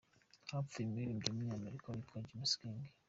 Hapfuye Umuririmbyi wUmunyamerika witwa James King.